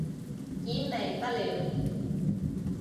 煙味不了